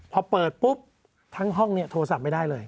พอเปิดปุ๊บทั้งห้องเนี่ยโทรศัพท์ไม่ได้เลย